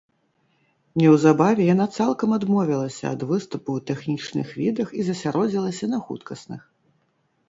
Неўзабаве, яна цалкам адмовілася ад выступу ў тэхнічных відах і засяродзілася на хуткасных.